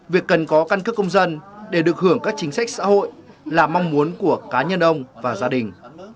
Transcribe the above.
việc cần có căn cước công dân để được hưởng các chính sách xã hội là mong muốn của cá nhân ông và gia đình